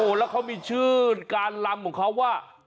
แล้วเขามีชื่อการลำของเขาว่า